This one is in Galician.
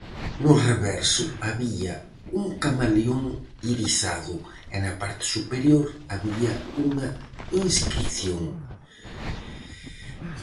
No reverso había un camaleón irisado, e na parte superior había unha inscrición.